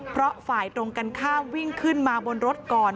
เพราะฝ่ายตรงกันข้ามวิ่งขึ้นมาบนรถก่อน